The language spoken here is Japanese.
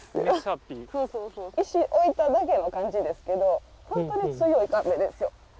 石置いただけの感じですけど本当に強い壁ですよ。